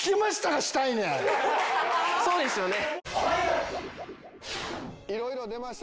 そうですよね。